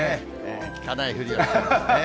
聞かないふりをしてますね。